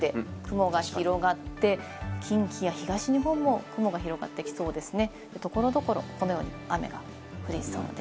夕方になると九州で雲が広がって、近畿や東日本も雲が広がっていきそうですね。